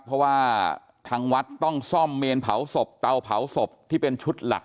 เพราะว่าทางวัดต้องซ่อมเมนเผาศพเตาเผาศพที่เป็นชุดหลัก